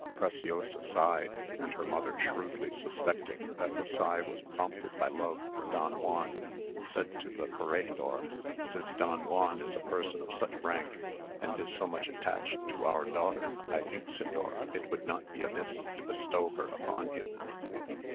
Preciosa sighed, and her mother shrewdly suspecting that the sigh was prompted by love for Don Juan, said to the corregidor, "Since Don Juan is a person of such rank, and is so much attached to our daughter, I think, señor, it would not be amiss to bestow her upon him."